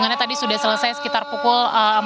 jadi sudah selesai sekitar pukul empat belas tiga puluh